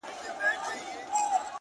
• څوک یې نه لیدی پر مځکه چي دښمن وي ,